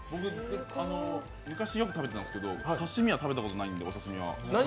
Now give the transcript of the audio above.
昔よく食べてたんですけどお刺身は食べたことないんで。